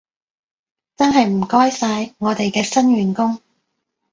真係唔該晒，我哋嘅新員工